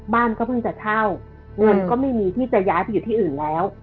บ้านก็เพิ่งจะเช่าเงินก็ไม่มีที่จะย้ายไปอยู่ที่อื่นแล้ว